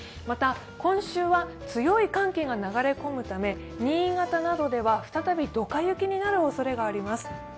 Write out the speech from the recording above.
また、今週は強い寒気が流れ込むため新潟などでは、再びドカ雪になるおそれがあります。